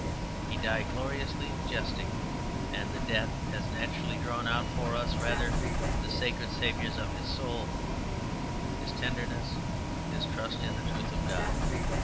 He died gloriously jesting; and the death has naturally drawn out for us rather the sacred savours of his soul; his tenderness and his trust in the truth of God.